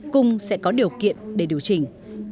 cùng sẽ có điều kiện để điều chỉnh